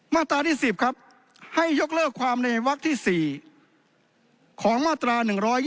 มาตราที่๑๐ครับให้ยกเลิกความในวักที่๔ของมาตรา๑๒